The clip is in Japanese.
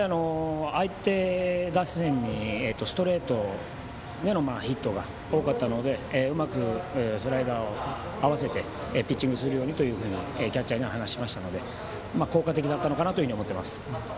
相手打線にストレートでのヒットが多かったので、うまくスライダーをあわせてピッチングするようにとキャッチャーへは話しましたので効果的だったかなと思います。